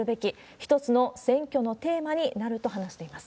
一つの選挙のテーマになると話しています。